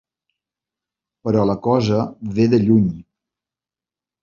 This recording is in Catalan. Però la cosa ve de lluny.